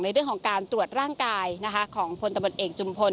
เรื่องของการตรวจร่างกายของพลตำรวจเอกจุมพล